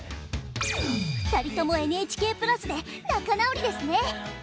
２人ともＮＨＫプラスで仲直りですね。